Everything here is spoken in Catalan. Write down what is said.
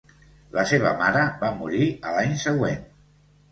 La seva mare va morir a l'any següent.